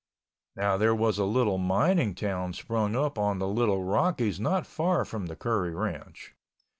Now there was a little mining town sprung up in the Little Rockies not far from the Curry Ranch.